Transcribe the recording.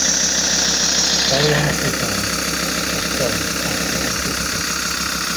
Barry and Suzanne had sons, Ashley and Christian.